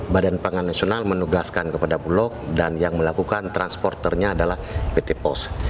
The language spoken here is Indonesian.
bpn menugaskan kepada bulog dan yang melakukan transporternya adalah pt pos